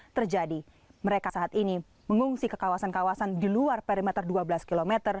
terjadi mereka saat ini mengungsi ke kawasan kawasan di luar perimeter dua belas km